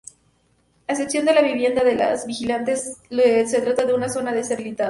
A excepción de la vivienda de los vigilantes se trata de una zona deshabitada.